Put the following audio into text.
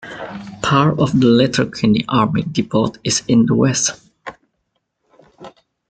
Part of the Letterkenny Army Depot is in the west.